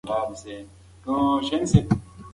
زه غواړم د روبوټونو د جوړولو په اړه نوي مهارتونه زده کړم.